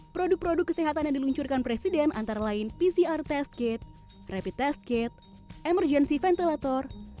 produk produk kesehatan yang diluncurkan presiden antara lain pcr test kit rapid test kit emergency ventilator